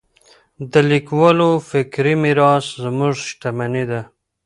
د لیکوالو فکري میراث زموږ شتمني ده.